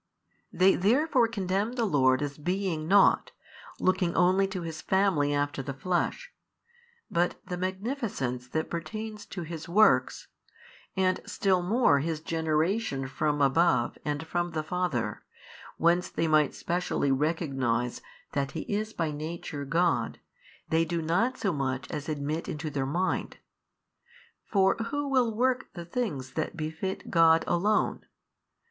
They therefore condemn the Lord as being nought, looking only to His family after the flesh, but the Magnificence that pertains to His works, and still more His Generation from above and from the Father, whence they might specially recognize that He is by Nature God, they do not so much as admit into their mind. For who will work the things that befit God Alone?